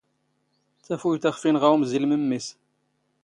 ⵜⴰⴼⵓⵢⵜ ⴰ ⵅⴼ ⵉⵏⵖⴰ ⵓⵎⵣⵉⵍ ⵎⴻⵎⵎⵉⵙ